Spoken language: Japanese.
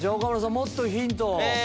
もっとヒントを。